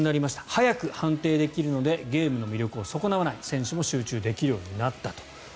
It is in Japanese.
早く判定できるのでゲームの魅力を損なわない選手も集中できるようになったと。